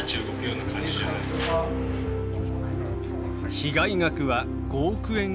被害額は５億円以上。